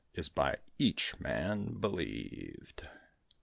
Is by each man believed.